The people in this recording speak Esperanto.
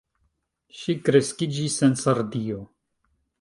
Ŝi kreskiĝis en Sardio.